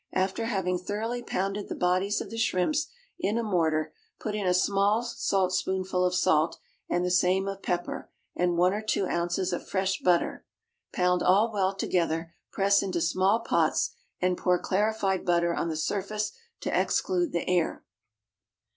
After having thoroughly pounded the bodies of the shrimps in a mortar, put in a small saltspoonful of salt and the same of pepper, and one or two ounces of fresh butter. Pound all well together, press into small pots, and pour clarified butter on the surface to exclude the air.